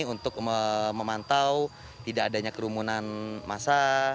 untuk memantau tidak adanya kerumunan masa